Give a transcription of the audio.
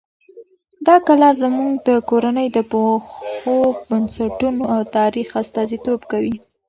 دا کلا زموږ د کورنۍ د پخو بنسټونو او تاریخ استازیتوب کوي.